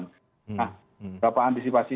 nah berapa ambisipasi